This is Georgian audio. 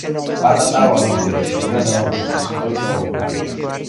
პაწაწა ვარ, ობოლი. ბედმა დამიბრიყვა ცუდ დროს დავობლდი.